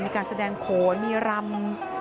มีการแสดงโขนมีรำ